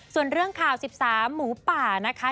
ส่วนเรื่องข่าว๑๓หมูป่านะคะ